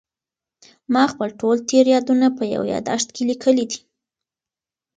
ما خپل ټول تېر یادونه په یو یادښت کې لیکلي دي.